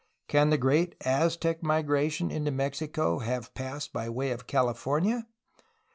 Can the great Aztec migra tion into Mexico have passed by way of California?